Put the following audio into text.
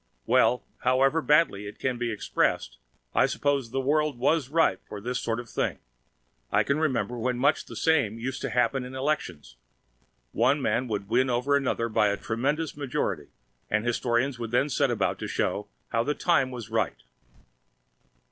Well, however badly it can be expressed, I suppose the world was ripe for this sort of thing. I can remember when much the same used to happen in elections. One man would win over another by a tremendous majority, and historians would then set about to show how "the time was right."